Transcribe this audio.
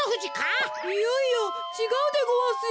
いやいやちがうでごわすよ。